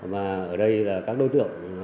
và ở đây là các đối tượng